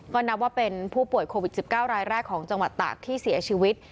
ก็นับว่าเป็นผู้ป่วยโควิด๑๙รายแรกของจังหวัดตากที่เสียชีวิต